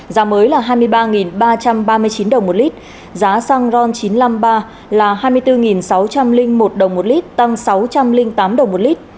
giá mới là hai mươi ba ba trăm ba mươi chín đồng một lít giá xăng ron chín trăm năm mươi ba là hai mươi bốn sáu trăm linh một đồng một lít tăng sáu trăm linh tám đồng một lít